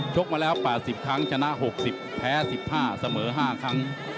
กมาแล้ว๘๐ครั้งชนะ๖๐แพ้๑๕เสมอ๕ครั้ง